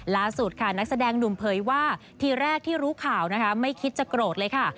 ล่าสุดค่ะนักแสดงหนุ่มเผยว่าทีแรกที่รู้ข่าวนะคะไม่คิดจะโกรธเลยค่ะ